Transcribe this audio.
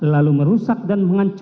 lalu merusak dan mengancam